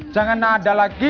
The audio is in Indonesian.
jangan ada lagi